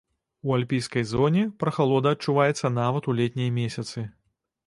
У альпійскай зоне прахалода адчуваецца нават у летнія месяцы.